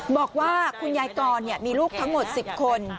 บอกว่าคุณยายกรมีลูกทั้งหมด๑๐คน